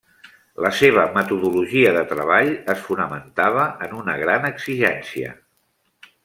La seva metodologia de treball es fonamentava en una gran exigència.